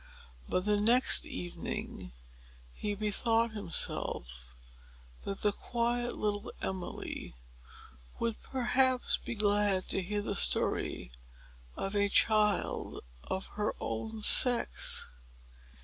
But, the next evening, he bethought himself that the quiet little Emily would perhaps be glad to hear the story of a child of her own sex.